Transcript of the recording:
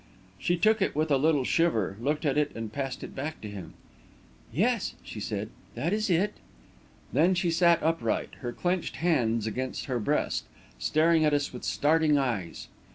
She took it with a little shiver, looked at it, and passed it back to him. "Yes," she said; "that is it." Then she sat upright, her clenched hands against her breast, staring at us with starting eyes.